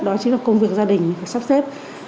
đó chính là công việc gia đình sắp xếp